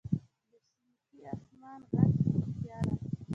د شینکي اسمان ږغ چوپتیا ده.